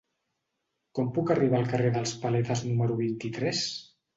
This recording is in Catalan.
Com puc arribar al carrer dels Paletes número vint-i-tres?